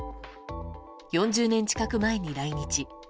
４０年近く前に来日。